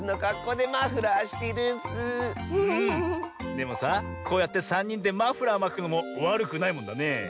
でもさこうやってさんにんでマフラーまくのもわるくないもんだねえ。